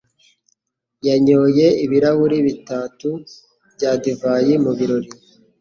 yanyoye ibirahuri bitatu bya divayi mu birori.